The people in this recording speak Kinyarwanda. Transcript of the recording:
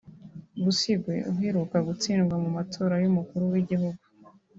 Besigye uheruka gutsindwa mu matora y’umukuru w’igihugu